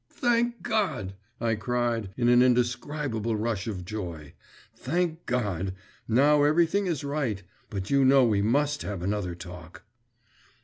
'Thank God!' I cried, in an indescribable rush of joy. 'Thank God! now everything is right. But you know we must have another talk.